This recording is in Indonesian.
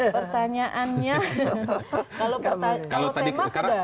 pertanyaannya kalau tema sudah